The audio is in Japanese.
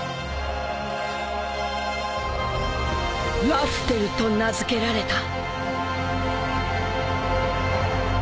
［ラフテルと名付けられた］